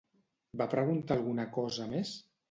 Va preguntar alguna cosa més?